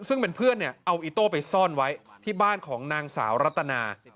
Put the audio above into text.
ซึ่งเป็นเพื่อนเนี่ยเอาอิโต้ไปซ่อนไว้ที่บ้านของนางสาวรัตนา